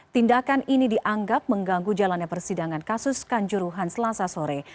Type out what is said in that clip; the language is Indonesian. tindakan ini dianggap mengganggu jalannya persidangan kasus kanjuruhan selasa sore